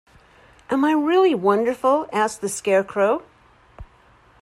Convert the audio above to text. Am I really wonderful? asked the Scarecrow.